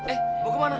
eh mau ke mana